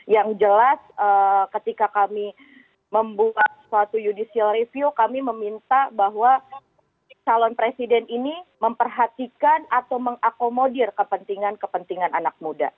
yang jelas ketika kami membuat suatu judicial review kami meminta bahwa calon presiden ini memperhatikan atau mengakomodir kepentingan kepentingan anak muda